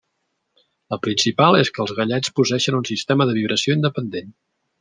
La principal és que els gallets posseeixen un sistema de vibració independent.